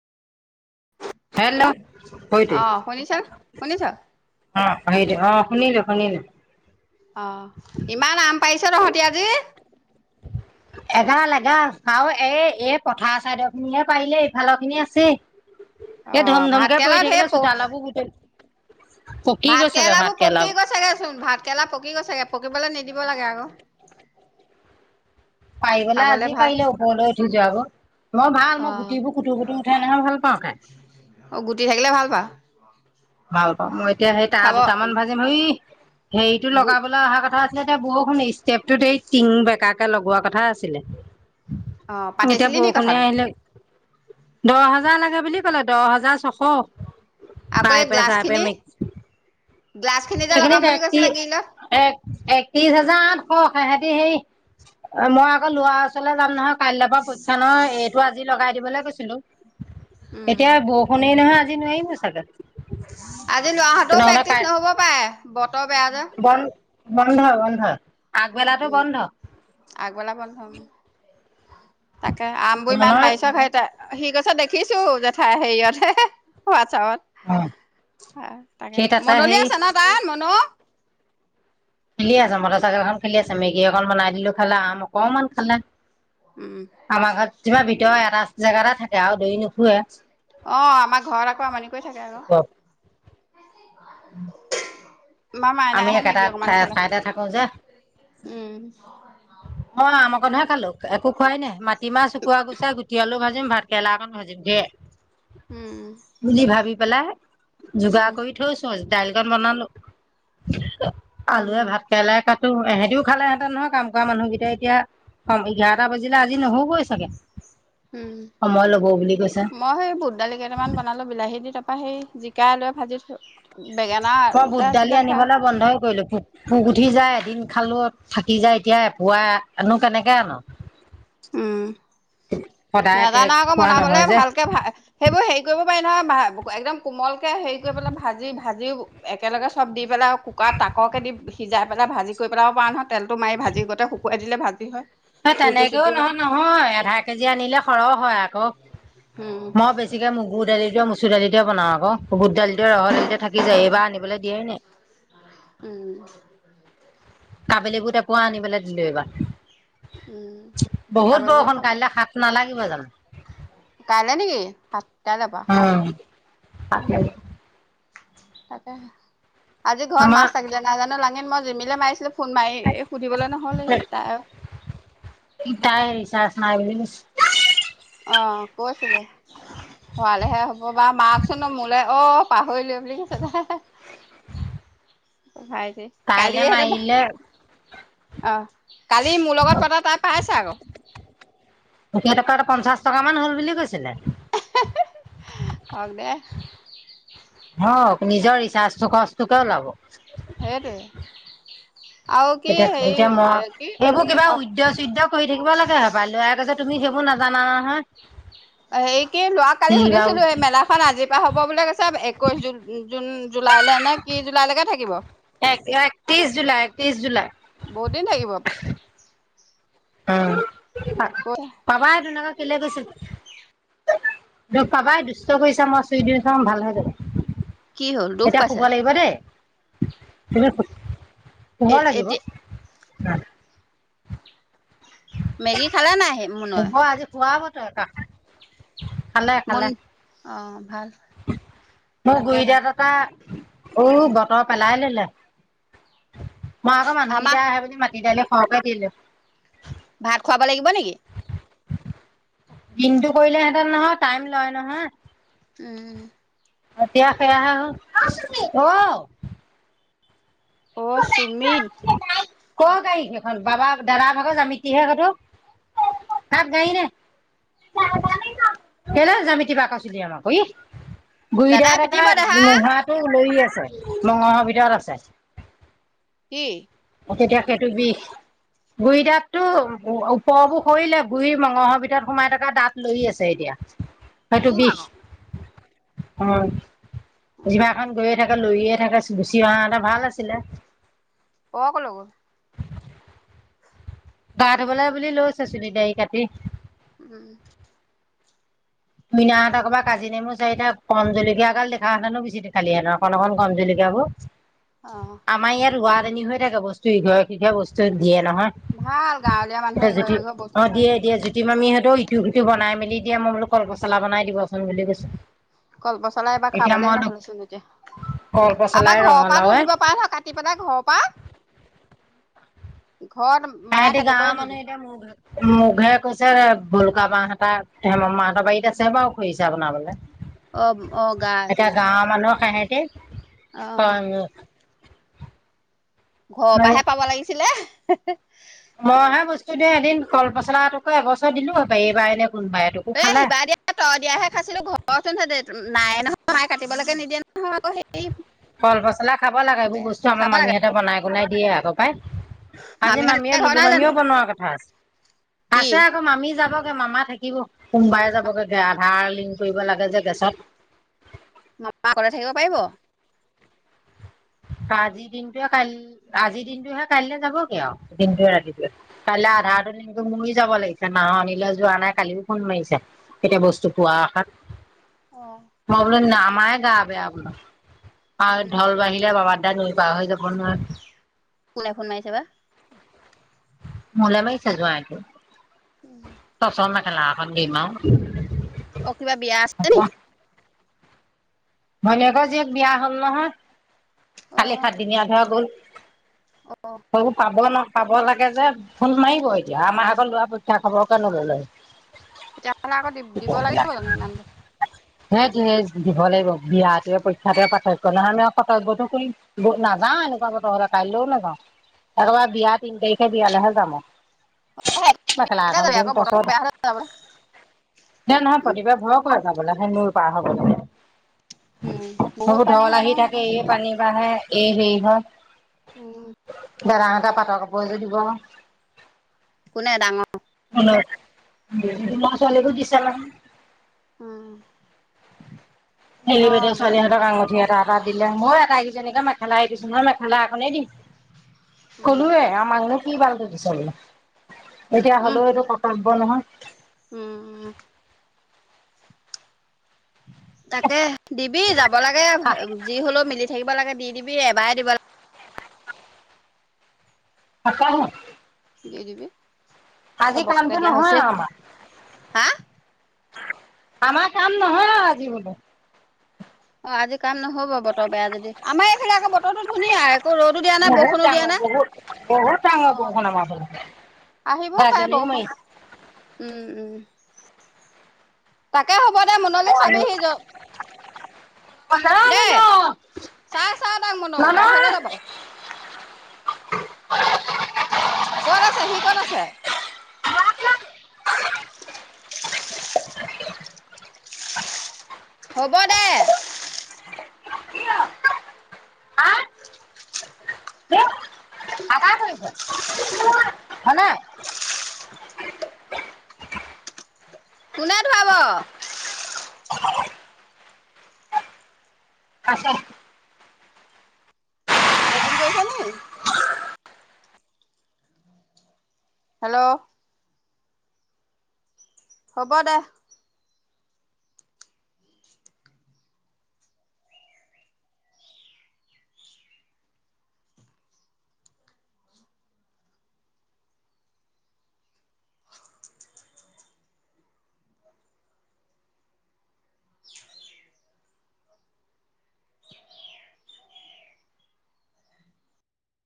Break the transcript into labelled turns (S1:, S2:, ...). S1: Hello ' অ'
S2: অ
S1: সেইৰি
S2: শুনিছ শুনিছ
S1: অ' শুনিলো- শুনিলো
S2: অ ' ইমান আম পাহিছো তহঁতি আজি
S1: এগাল -এগাল আৰু ও এ এই পথাৰ চাইদৰ খিনিহে পাৰিলে ইফালৰ খিনি আছে
S2: অ
S1: এ ধম
S2: ভাত
S1: ধমকে
S2: কেৰেলা
S1: পৰি
S2: ঢেৰ
S1: থাকিলে
S2: প
S1: চোতাালাবো গোট।
S2: ভাত কেৰেলাবোৰ পকি গৈছোগে চোন ভাত কেৰেলা পকি গৈছোগে। পকিবলৈ নিদিব লাগে আকৌ।
S1: পাৰিবলৈ
S2: খাবলে
S1: আজি
S2: ভাল
S1: পাৰিলে ওপৰলৈ উঠি যোৱাবৌ মই ভাল
S2: অ
S1: মই গুটিবোৰ খুটু খুটু উঠাই নহয় ভাল পাওঁ খাই।
S2: অ গুটি থাকিলে ভাল [inaudible]
S1: ভালপাওঁ এতিয়া সেই তাত
S2: খাব
S1: দুটামান ভাজি মৰি হেৰিতটো
S2: গু
S1: লগাবলৈ অহা কথা আছিলে এতিয়া বৰুষুণ। টেপটোত এই টিং বেকাকে লগোৱা কথা আছিলে।
S2: অ
S1: এতিয়া
S2: পাতিছিলি নি
S1: বৰষুণে
S2: কথাটো
S1: আহিলে। দহ হাজাৰ লাগে বুলি ক'লে দহ হাজাৰ ছশ
S2: আকৌ
S1: চ
S2: গ্লাছ
S1: পে
S2: খিনি
S1: মিক্সখ
S2: গ্লাছ খিনি যে লগাম বুলি কৈছিলে গ্ৰীলত
S1: এক একত্ৰিশ হোজাৰ আঠশ সিহতি সেই মই আকৌ লৰা ওচৰলে যাম নহয় কাইলৈৰ পৰা পক্ষা ন এইটো আজি লগাই দিবলৈ কছিল
S2: উম
S1: এতিয়া বৰষুণেই নহয় আজি নোৱাৰিমো চাগে
S2: আজি লাহঁতেও
S1: নহ'লে কাই
S2: প্ৰেক্টিচ নহ'ব পাৰে বত বোদ
S1: বন বন্ধ বন্ধ আগবেলাটো
S2: উম
S1: বন্ধ
S2: আগবালা বন্ধ তাকে আমবোৰ ইমান
S1: নহয়
S2: বাঢ়িছ ঘৰতে সি কৈছে দেখিছো জেঠাই হেৰিয়ত হেোৱ
S1: অ'।
S2: চা তাকে
S1: সেই তাতে সেই
S2: মননিয় আছে ন তাত মন
S1: খেলি আছ মৰ চ এখন খেলি আছ মেগী এক বনাই দিলো খালা আম অকমান খালা
S2: উম
S1: আমাৰ ঘৰত তিবাৰ ভিত এটা জেগা এটা থাকে আৰু দৰি নুখুে
S2: অ আমাৰ ঘৰত আকৌ আমমানি কৰি থাকে আৌ আমাৰ
S1: আমি
S2: মাইনাহে মেগী
S1: একেটাাত
S2: অকমান খালে
S1: চঠাইতে থাকো যে
S2: উম
S1: অ আমকহে াল একো খোৱাই নে মা কতিমা চকুৱ গুচা গুটিয়ালো ভাজিম ভাত কেেলা ক ন ভ যিক
S2: উম
S1: বুলি ভাবি পেলাই জুগা
S2: উম
S1: কৰি থৈছোঁজ দাইালখনান বালো উ আলুৱে
S2: উম
S1: ভাব কেৰেলাই কাটি ত ইহঁতিও খালে এহঁতে নহয় কাম কৰা মানুহকেইটাই এতিয়া এঘাৰটা বজিলে আজি নহবগৈ চাগে
S2: উম
S1: সময় ল'ব বুলি কৈছে
S2: মই সেই বুধ দালি কেইটামান বনালো বিলাহী দি তাৰ তাৰপ সি জিকাই লৈ ভাজি থৈ বেঙেনা
S1: অই
S2: দুটা
S1: বুধ দালি
S2: আছিলে ফ্ৰাই
S1: আনিবলৈ বন্ধই কৰিলো পুোক উঠি যায় দিন খালো থাকি যায় এতিয়া পুৱা আনো কেনেকে আনো
S2: উম
S1: সদায়কে
S2: নাজানা আকৌ
S1: খোৱা
S2: বনাবলে
S1: নহয় যে
S2: ভালকে ভ সেইবোৰ হেৰি কৰিব নহয় একদম কোমলকে হেৰি কৰিেলাই ভি ভাজিগেব দি পেল আৰু কুকাৰত তাকৰকে দি সিজাই পেল ভাজি কৰি পেলাব পৰা নহয় তেলটো মাৰি ভাজি গতেট শুুৱাই দিলে ভাবি হয়
S1: অ
S2: ৰুটি
S1: তানোগো
S2: চুটি বা
S1: নহয় নহয় আধা কেজি আনিলে সৰহ হয় আৰু
S2: উম
S1: মই বেছিকে ম গু দালি দিিয় চূৰাা যেতিয়া বনাওঁ আকৌ বুট দালিতে ৰহৰ দালিতে থাকি যায় এইবাৰ আনিব দিয়াই নে
S2: উম
S1: কাবেলী বুত এপুৱা আনি পেলাই দিলো
S2: উম
S1: এইবাৰ বহুত
S2: খাবলৈ লগত
S1: বৰষুণ কাইলৈ সাত নালাগে কিিব যান
S2: তলৈ নেকি কাইলৈ পৰা
S1: অ,
S2: উম
S1: [unintelligible]
S2: তাকে, হে আজি ঘৰত
S1: আমাৰ
S2: মাছ থাকিলে নাজানো লাঙিন ম।। জিমিলে মাৰিছিলো।। ফোন মাৰি সুধিবলৈ নহ'লেই তাই
S1: তাইেৰি চাস ন [inaudible]
S2: আহ কৈছিলে ভৱালেহে হ'ব বা মাকচোন মোলৈ অ পাহৰিলোৱে বুলি কৈছে দে ভাই যে
S1: তাইলে
S2: কালিয়েে নাবা
S1: মাৰিলে
S2: অঁঃ কালি মোৰ লগত পতা তাই পাইছে আকৌ
S1: এতিয়া টো টকা পঞ্চাশ টকা মান হল বুলি কৈছিলে।
S2: হি হি হক দে।
S1: হওঁক নিজৰ ৰিচাচৰ খৰচটোকে ওলাব।
S2: হেৰি আৰু কি
S1: তেতিয়া এতিয়া মই
S2: এ কি
S1: এইবোৰ কিবা
S2: অ
S1: উদ্য চদ্ধ্য কৰি থাকিব লাগে হব পয় লোৱাৰ আগতে তুমি সেই বোৰ নাজানা নহয়
S2: এই কি যোৱ কালি
S1: কিবা
S2: সুধিছিলোঁ। এই মেলাখন আজিৰ পৰা হ'ব বুলি কৈছে একৈশ জুন।। জুন জুলাইলৈ নে কি জুলাইলৈকে থাকিব
S1: এক একত্ৰিশ জুলাই একত্ৰিশ
S2: বহুত দিন থাকিব
S1: জুলাই।। উম পাবা তেনেকে কেলে গৈছিল টো কাবাই দুষ্ট কৰিছে মই চুই দিওঁ চাওঁ ভাল হৈ যাব।
S2: কি হ'ল দুখ
S1: এতিয়া শুব
S2: পাইছে
S1: লাগিব দেই কেলৈ
S2: এ
S1: পোহৰ লাগিব।
S2: এতিয়া
S1: ন [inaudible]
S2: মেগী খালা নাই মুনয়ে
S1: হ'ব আজি খোৱাব [inaudible]
S2: মন অ ভাল
S1: মোৰ গুৰি
S2: তাকেহে
S1: দাতঁ এটা।। অ বতৰ পেলাই ললে মই আকৌ
S2: আমাক
S1: মানুহকেইটাই আহে বুলি মাতি দাইলে।। হৰকে দিলোঁ
S2: ভাত খুৱাব লাগিব নেকি
S1: দিনটো কৰিলে হেঁতেন নহয় টাইম লয় নহয়
S2: উম,
S1: এতিয়া আৰু সেইয়া হে হ'ল
S2: অ সুমিত
S1: ক গাড়ী সেইখন বাবা দাদাৰ ভাগৰ জামিতিহে সেইটো তাত গাড়ী নাই কেইলে জামিতি বাকচ উলিয়াম আকৌ ই গুৰি
S2: দাদাই
S1: দাঁত এটা
S2: পিটিব দেহা
S1: মুঢ়াটো লৰি আছে। মঙহ ভিতৰত আছে
S2: কি
S1: তেতিয়া সেইটো বিষ গুৰি দাঁততো ওপৰবোৰ সৰিলে ।গুৰি মঙহৰ ভিতৰত সোমাই থকা দাঁত লৰি আছে এতিয়া। হয়তো
S2: তোৰ
S1: বিষ
S2: ভাগৰ।
S1: হয়। জিভা
S2: অ'
S1: খন গৈয়ে থাকে। লৰিয়ে থাকে গুচি অহা হেতেন ভাল আছিলে
S2: অ কলৈ গ'ল
S1: গা ধুবলৈা বুলি লৈছ চুলি দাৰি কাটি
S2: উম,
S1: মিনাহঁতৰ ঘৰৰ পৰা কাজি নেমু চাৰিটা কণ জলকীয়া এগাল দেখা হেতেনো বিচ্যুতি খালি হেতেন অকণ অকণ কণ জলকীয়াবোৰ।
S2: অ'
S1: আমাৰ ইয়াত ৰোৱা ী হৈ থাকে বস্তু ইঘৰ সিঘৰে বস্তু দিয়ে নহয়
S2: ভাল গাঁৱলীয়া মানুহে
S1: এতিয়া
S2: ইঘৰে
S1: জুতি
S2: সিঘৰে
S1: অ
S2: বস্তু থাকে।
S1: দিয়ে দিয়ে জুতি মামিহঁতে।। ৰুটি বনাই মেলি দিয়ে মোক আৰু।। কল পচলা বনাই দিবচোন বুলি কৈছো
S2: কলপচলা এইবাৰ
S1: এতিয়া
S2: খাবলে
S1: মই
S2: নহ'লচোন এতিয়া
S1: কল পচলাই
S2: আমাৰ ঘৰৰ পৰাো
S1: ৰঙালাওে
S2: দিব পাৰে নহয় কাটি পেলাই ঘৰৰ পৰা ঘৰত মায়ে
S1: সহতি গাঁৱৰ
S2: কাটিবই নিদিয়ে।
S1: মানুহ এতিয়া ম মু ঘে কৈ পিছে ভলুকা বাঁহ কেইটা মান মাহঁতৰ বাৰীত আছে বাৰু খৰিছা বনাবলৈ।
S2: অ' অ' গাজ
S1: এতিয়া
S2: অ'
S1: গাঁৱৰ মানুহ খেহেত। কে অ ন
S2: ঘৰৰ পৰাহে পাব লাগিছিলে। উ [inaudible]
S1: মইহে বস্তুটো এদিন ফল পচলাটকো এবছৰ দিলো এইবাৰ এনে কোনোবা এটুকু
S2: এ
S1: খালে
S2: সিবা দিয়া তই দিয়াহে খাইছিলো ঘৰত হোননহতে নাই নহয় মাই কাটিবলৈকে নিদিয়ে নহয়। আকৌ হেৰি
S1: কল পচলা খাব লাগে ।এইবোৰ
S2: বেয়া
S1: বস্তু আমাৰ
S2: খাব লাগে
S1: মামীহঁতে বনাই কনাই দিয়ে আকৌ পাই ।আজি
S2: মামীহঁত এতিয়া
S1: মামীয়ে
S2: ঘৰত
S1: লোলো
S2: নাই জানো?
S1: মামীয়েও বনোৱাৰ কথা আছে।
S2: কি?
S1: আছে আকৌ মামি যাব এ মামা থাকিব সোমবাৰে যাবগে আধাৰ লিংক কৰিব লাগে যে গেছত
S2: মামা অকলে থাকিব পাৰিব
S1: আজিৰ দিনটোৱেহে কাই আজিৰ দিনটোহে কাইলৈ যাবগে আৰু দিনটো ৰাতিয়ে কাইলৈ আধাৰটো এনেকৈ মৰিয় যাব লাগিছে নাহ আনিলৈ যোৱা নাই কালিও ফোন মাৰিছে এতিয়া বস্তু পোৱা আশাত মই বোলো নাম মাৰে গা বেয়া বোলে ঢলবাহী দে বাবা ৰন্ধা পাৰ হৈ যাব নোৱাৰে
S2: কোলাই ফোন মাইছে বা
S1: মোলে লৈ আহিছে জোঁৱাইটো তই চ লাও শাক দিম আৰু
S2: অ কিবা বিয়া আছে নি?
S1: ভনীয়েকৰ জীয়েক বিয়া হ'ল নহয় খালি
S2: অ'
S1: সাতদিনীয়াধৰা গল
S2: অ
S1: সব পাব ন পাব লাগে যে ফোন মাৰিব এতিয়া আমাৰ আগত লোৱা পৰীক্ষা খবৰকে নোললেয়
S2: তেতিয়া হলে আকৌ দিব লাগিব ইমানকে
S1: সেইটো সে দিব লাগিব বিয়াতে পৰীক্ষা এয়া পাৰ্থক্য নহয় আমি কৰ্ত্যবোতো কৰি নযাও এনেকুৱা বতৰ কাইলৈও নাযাওঁ একেবাৰে বিয়া তিন তাৰিখে বিয়ালৈহে যাম মেখেলা
S2: একে
S1: এখন
S2: যাবি
S1: দিম
S2: আকৌ বতৰ
S1: তাৰছত
S2: বেয়া হ'লে যাবলৈ
S1: দে নহয় প্ৰতিভাৰ ভয়ক য সেলুৰ বাহ হ'ব
S2: উম।
S1: বহুত
S2: পানী
S1: হল
S2: হয়
S1: আহি
S2: নহয়
S1: থাকে
S2: সেইখন
S1: এইয় পানী বাঢ়ে এই হে হা
S2: উম
S1: তাৰে এটা পাটৰ কাপোৰ যোৰ দিলো আৰু
S2: কোনে ডাঙৰ উম,
S1: অ ছোৱালীকো দিছা নে উ
S2: উম
S1: হেৰি বেদে
S2: অ' দেখ
S1: ছোৱালীহঁতৰ আঙঠিয় তাত এ দিলে মই এটা আহিছে এনেকে মেখেলা আহিছো নহয় মেখেলা একো নেই দি
S2: উম, উম।
S1: কলুৱে আ মং কি ভালত ত চাগল এতিয়া
S2: উম,
S1: হ'লেও ব নহয়
S2: উম তাকে দিবি যাব লাগে
S1: আহ
S2: যি হলেও মিলি থাকিব লাগে। দি দিবি এবাৰে দিব লাগে
S1: আকা
S2: দি দিবি চবককে
S1: কামটো
S2: দিয়া
S1: নহয়
S2: হৈছে
S1: আৰু আমাৰ
S2: হা
S1: আমাৰ কাম নহয় আৰু আজি মান
S2: অ আজি কাম নহ' ব বতৰ বেয়া যদি আমাৰ এইফালে আকৌ বতৰো ধুনীয়া একৌ ৰ'দো দিয়া নাই
S1: বহুত
S2: বৰষুণো দিয়া
S1: ডাঙৰ
S2: নাই
S1: বহুত বহুত ডাঙৰ
S2: অ
S1: বৰষুণ আমাৰ ফালে
S2: আহিবও পাৰে
S1: গাজনিও
S2: বৰষুণ উম উম তাকে হ'ব দে মুনলে চাবি সি
S1: মাৰিছে
S2: য দেই চাই চা তাক মুনুক
S1: ননয়,
S2: হিৰলৈ যাব কত আছে সি কত আছে হ'ব দে
S1: কি আমাৰ কৰিছে হয় নাই
S2: কোনে ধোৱাব?
S1: [unintelligible] আছে
S2: লেট্ৰিন কৈছে নি হেল্ল' হ'ব দে